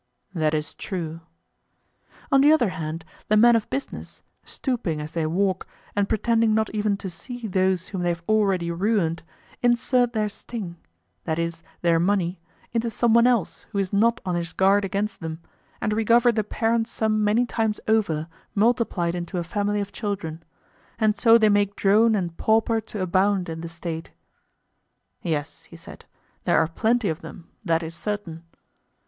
That is true. On the other hand, the men of business, stooping as they walk, and pretending not even to see those whom they have already ruined, insert their sting—that is, their money—into some one else who is not on his guard against them, and recover the parent sum many times over multiplied into a family of children: and so they make drone and pauper to abound in the State. Yes, he said, there are plenty of them—that is certain.